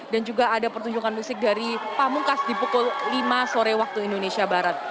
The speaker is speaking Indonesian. dan juga ada pertunjukan musik dari pak mungkas di pukul lima sore waktu indonesia barat